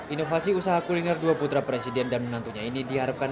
inovasi usaha kuliner dua putra presiden dan menantunya ini diharapkan